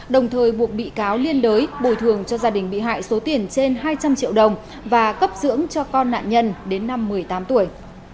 đồng thời buộc bị cáo liên đới bồi thường cho gia đình bị hại số tiền trên hai trăm linh triệu đồng và cấp dưỡng cho con nạn nhân đến năm một mươi tám tuổi